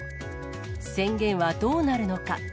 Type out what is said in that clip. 宣言はどうなるのか。